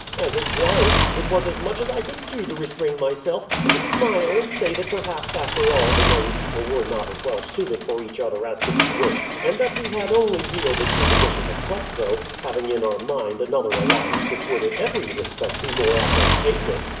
As it was, it was as much as I could do to restrain myself, and to smile and say that perhaps, after all, the young people were not as well suited for each other as could be wished; and that we had only yielded to the wishes of Plexo, having in our mind another alliance which would in every respect be more advantageous.